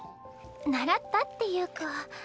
習ったっていうか。